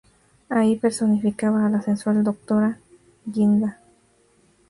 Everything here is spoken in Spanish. Allí personificaba a la sensual "Doctora Guinda".